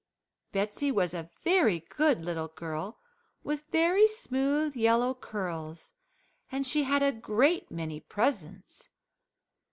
Betsey was a very good little girl with very smooth yellow curls, and she had a great many presents.